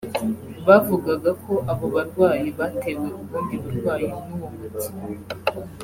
Bavugaga ko abo barwayi batewe ubundi burwayi n’uwo muti